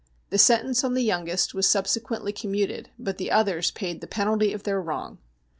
The sentence on the youngest was subsequently com muted, but the others paid the penalty of their wrong.